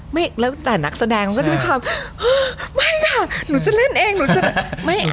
แล้วแต่นักแสดงก็จะไม่ความไม่ค่ะหนูจะเล่นเองหนูจะไม่อ้าว